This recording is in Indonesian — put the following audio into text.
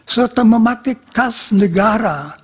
serta memakai kas negara